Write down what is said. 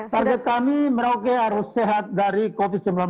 target kami merauke harus sehat dari covid sembilan belas